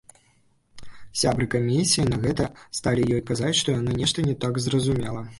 Сябры камісіі на гэта сталі ёй казаць, што яна нешта не так зразумела.